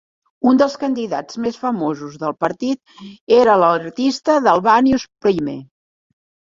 Un dels candidats més famosos del partit era l'artista Dalvanius Prime.